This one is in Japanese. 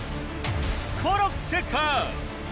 コロッケか？